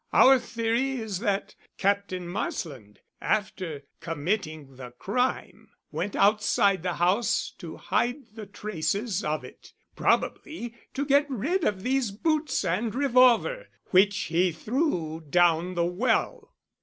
Our theory is that Captain Marsland, after committing the crime, went outside the house to hide the traces of it probably to get rid of these boots and revolver, which he threw down the well."